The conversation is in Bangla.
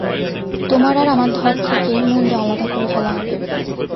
তোমার আর আমার ধড় থেকে মুন্ডু আলাদা করে ফেলা হবে!